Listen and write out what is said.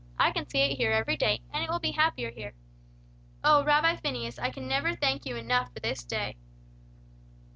I can see it here every day, and it will be happier here. Oh, Rabbi Phineas, I can never thank you enough for this day!"